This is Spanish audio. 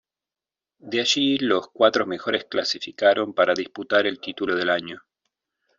De allí los cuatro mejores clasificaron para disputar el título del año.